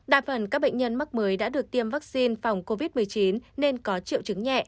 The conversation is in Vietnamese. đa phần các bệnh nhân mắc mới đã được tiêm vaccine phòng covid một mươi chín nên có triệu chứng nhẹ